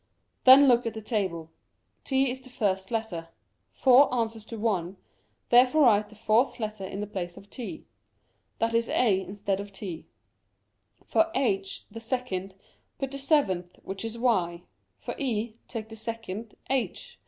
Then look at the table. T is the first letter ; 4 answers to i ; therefore write the fourth letter in the place of T ; that is A instead of T. For h the second, put the seventh, which is y ; for E, take the second, h.